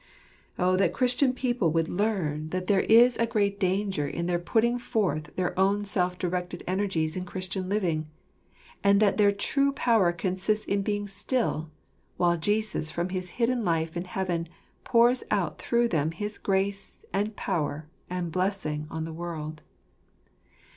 Oh that Christian people would learn that there is a L 1 62 ffcfje jfcmt ttf JTruitfttlntas. great danger in their putting forth their own self directed energies in Christian living; and that their true power consists in being still, while Jesus from his hidden life in heaven pours out through them his grace and power and blessing on the world.